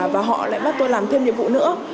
và họ lại bắt tôi làm thêm nhiệm vụ nữa